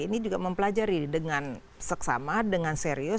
ini juga mempelajari dengan seksama dengan serius